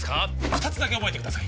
二つだけ覚えてください